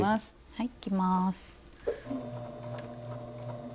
はいいきます。